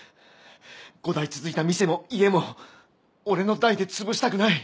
５代続いた店も家も俺の代で潰したくない。